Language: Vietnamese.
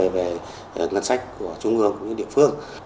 về ngân sách của trung ương và địa phương